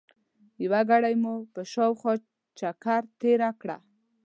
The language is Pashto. یوه ګړۍ مو په شاوخوا چکر تېره کړه.